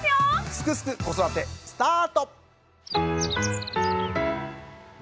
「すくすく子育て」スタート！